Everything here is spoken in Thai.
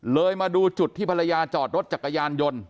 มาดูจุดที่ภรรยาจอดรถจักรยานยนต์